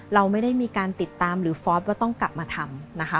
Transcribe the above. เราไม่ได้มีการติดตามหรือฟอสว่าต้องกลับมาทำนะคะ